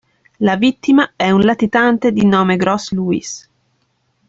La vittima è un latitante di nome Gros Louis.